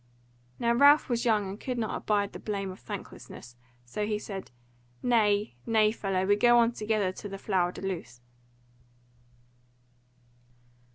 Now Ralph was young and could not abide the blame of thanklessness; so he said, "Nay, nay, fellow, go we on together to the Flower de Luce."